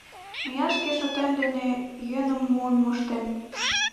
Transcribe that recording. Мыят шке шотем дене йӧным муын моштем.